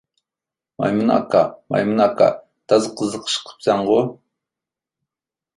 مايمۇن ئاكا، مايمۇن ئاكا، تازا قىزىق ئىش قىلىپسەنغۇ!